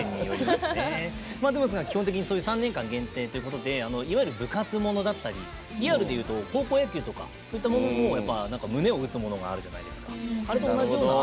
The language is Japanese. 基本的に３年間限定ということで部活ものだったりリアルでいうと高校野球とかそういったものって胸を打つものがあるじゃないですか。